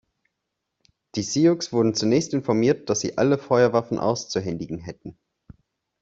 Die Sioux wurden zunächst informiert, dass sie alle Feuerwaffen auszuhändigen hätten.